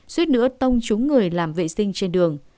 suýt nữa tông chúng người làm vệ sinh trên đường